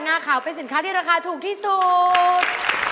งาขาวเป็นสินค้าที่ราคาถูกที่สุด